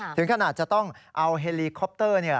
ถึงขนาดจะต้องเอาเฮลีคอปเตอร์